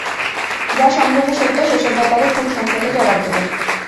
যা সম্পূর্ণ সত্য, সে সব ব্যাপারে খুব সংক্ষেপে জবাব দেবেন।